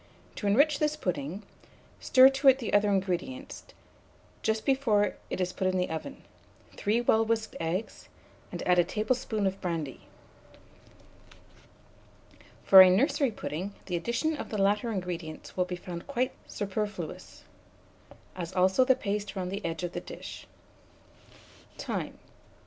To enrich this pudding, stir to the other ingredients, just before it is put in the oven, 3 well whisked eggs, and add a tablespoonful of brandy. For a nursery pudding, the addition of the latter ingredients will be found quite superfluous, as also the paste round the edge of the dish. Time.